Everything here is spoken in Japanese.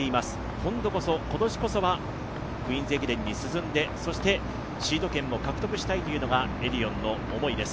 今度こそ、今年こそは「クイーンズ駅伝」に進んでそしてシード権も獲得したいというのがエディオンの思いです。